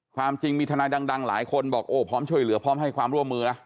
ความจริงมีทนายดังหลายคนบอกโอ้พร้อมช่วยเหลือพร้อมให้ความร่วมมือนะ